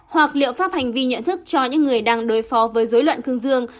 hoặc liệu pháp hành vi nhận thức cho những người đang đối phó với dối loạn cương dương